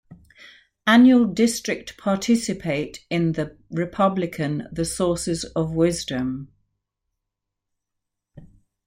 Annual district participate in the Republican the sources of wisdom.